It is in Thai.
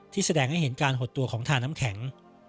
แสดงให้เห็นการหดตัวของทาน้ำแข็ง